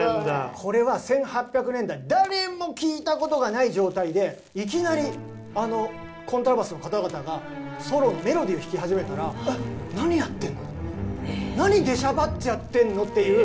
これは１８００年代誰も聴いた事がない状態でいきなりあのコントラバスの方々がソロのメロディを弾き始めたら「えっ何やってんの！？」と「何出しゃばっちゃってんの？」っていう。